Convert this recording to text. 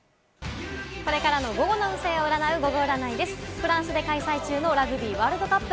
フランスで開催中のラグビーワールドカップ。